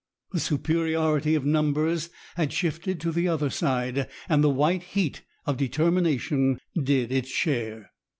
The superiority of numbers had shifted to the other side, and the white heat of determination did its share.